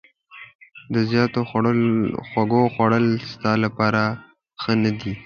د زیاتو خوږو خوړل ستا لپاره ښه نه دي.